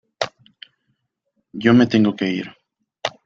yo me tengo que ir.